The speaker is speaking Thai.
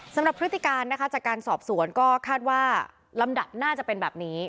พฤติการนะคะจากการสอบสวนก็คาดว่าลำดับน่าจะเป็นแบบนี้